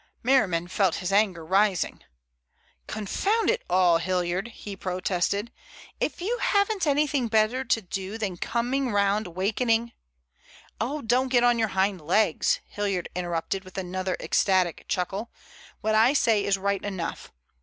Merriman felt his anger rising. "Confound it all, Hilliard," he protested. "If you haven't anything better to do than coming round wakening—" "Oh, don't get on your hind legs," Hilliard interrupted with another ecstatic chuckle. "What I say is right enough.